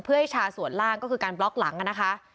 เพื่อให้ชาส่วนล่างก็คือการบล็อกหลังนะคะ